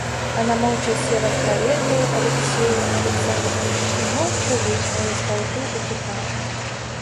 Она молча села в карету Алексея Александровича и молча выехала из толпы экипажей.